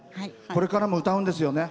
これからも歌うんですよね。